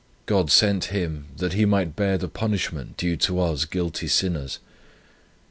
God sent Him, that He might bear the punishment, due to us guilty sinners.